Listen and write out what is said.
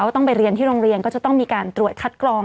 ที่โรงเรียนก็จะต้องมีการตรวจคัดกรอง